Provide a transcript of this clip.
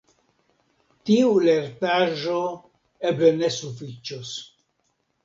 Tiu lertaĵo eble ne sufiĉos.